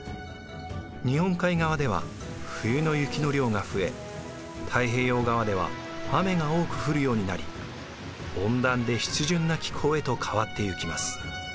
日本海側では冬の雪の量が増え太平洋側では雨が多く降るようになり温暖で湿潤な気候へと変わっていきます。